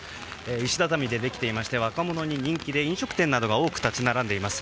石畳でできていまして若者に人気で飲食店などが多く立ち並んでいます。